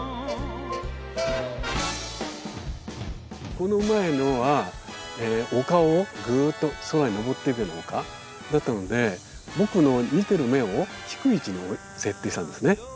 この前のは丘をぐーっと空にのぼっていくような丘だったので僕の見てる目を低い位置に設定したんですね。